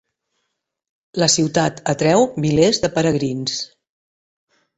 La ciutat atreu milers de peregrins.